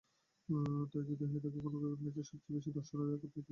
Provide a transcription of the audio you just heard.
তা-ই যদি হয়ে থাকে, কোনো ক্রিকেট ম্যাচে সবচেয়ে বেশি দর্শকের রেকর্ড এটিই।